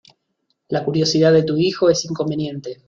La curiosidad de tu hijo es inconveniente.